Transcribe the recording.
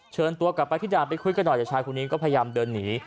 เชิญตัวกับปฏิบัติธรรมไปคุยกันหน่อยแต่ชายคุณนี้ก็พยายามเดินหนี